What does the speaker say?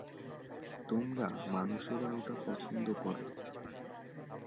তোমরা মানুষেরা ওটা পছন্দ করো।